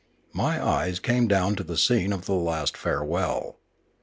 My eyes came dowu to the scene of the last farewell.